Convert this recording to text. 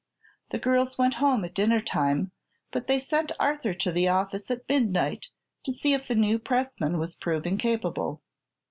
The girls went home at dinner time, but they sent Arthur to the office at midnight to see if the new pressman was proving capable.